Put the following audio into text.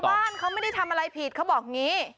บ้านเขาไม่ได้ทำอะไรผิดเขาบอกอย่างนี้